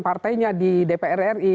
partainya di dpr ri